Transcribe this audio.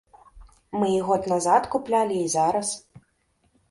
Мы і год назад куплялі, і зараз.